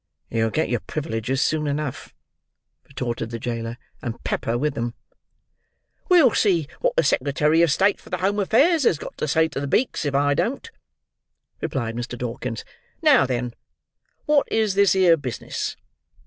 "You'll get your privileges soon enough," retorted the jailer, "and pepper with 'em." "We'll see wot the Secretary of State for the Home Affairs has got to say to the beaks, if I don't," replied Mr. Dawkins. "Now then! Wot is this here business?